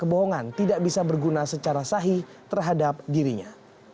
kebohongan tidak bisa berguna secara sahih terhadap dirinya